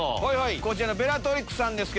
こちらのベラトリックスさん